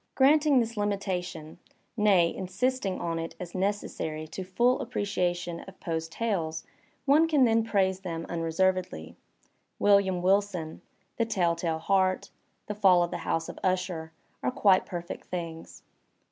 Granting this limi tation, nay, insisting on it as necessary to the full apprecia tion of Poe's tales, one can then praise them unreservedly. '^William Wilson," "The TeU Tale Heart," "The FaU of the House of Usher" are quite perfect things.